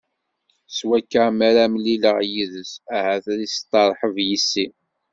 S wakka, mi ara mlileɣ yid-s, ahat ad isteṛḥeb yis-i.